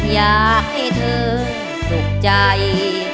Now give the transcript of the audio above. อยากให้เธอสุขใจ